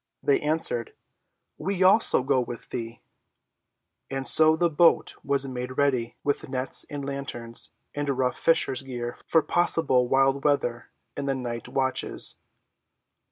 They answered, "We also go with thee." And so the boat was made ready, with nets and lanterns, and rough fisher's gear for possible wild weather in the night watches.